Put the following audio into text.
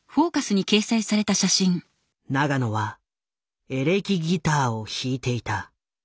永野はエレキギターを弾いていた。